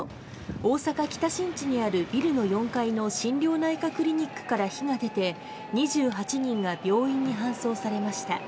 大阪・北新地にあるビルの４階の心療内科クリニックから火が出て２８人が病院に搬送されました。